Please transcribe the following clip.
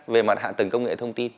về mặt hạ tầng công nghệ thông tin